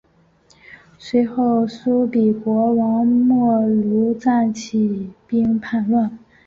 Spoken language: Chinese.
随后苏毗国王没庐赞起兵叛乱。